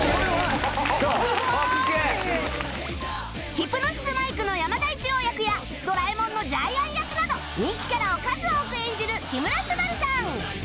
『ヒプノシスマイク』の山田一郎役や『ドラえもん』のジャイアン役など人気キャラを数多く演じる木村昂さん